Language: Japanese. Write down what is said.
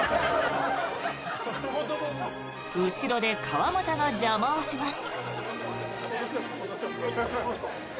後ろで川真田が邪魔をします。